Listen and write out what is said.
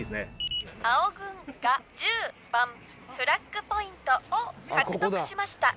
青軍が１０番フラッグポイントを獲得しました。